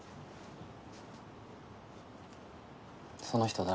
その人誰？